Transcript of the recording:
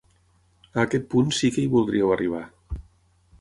A aquest punt sí que hi voldríeu arribar.